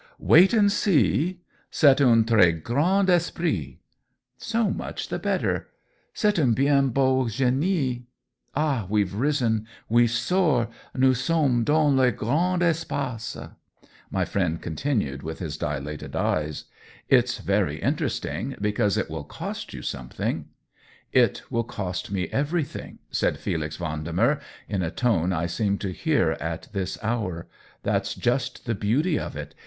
"Wait and see! C^est un trh grand esprit P " So much the better !"" C ''est un Men beau ginie. Ah, we've risen — we soar; nous sommes dans les grandes espaces T my friend continued, with his dilated eyes. " It's very interesting — because it will cost you something." COLLABORATION 133 " It will cost me everything !" said Felix Vendemer, in a tone I seem to hear at this hour. " That's just the beauty of it.